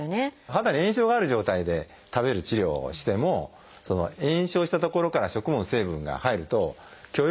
肌に炎症がある状態で食べる治療をしても炎症したところから食物の成分が入ると許容量を下げてしまいますので。